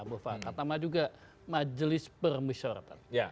mufakat sama juga majelis permusyawaratan